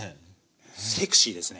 セクシーですね。